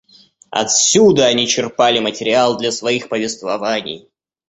Отсюда они черпали материал для своих повествований.